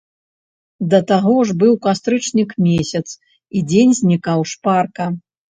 Да таго ж быў кастрычнік месяц, і дзень знікаў шпарка.